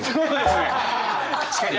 確かにね。